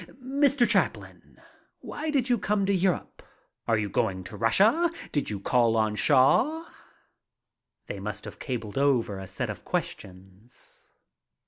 "Mr. Chaplin, why did you come to Europe?" "Are you going to Russia?" "Did you call on Shaw?" They must have cabled over a set of questions.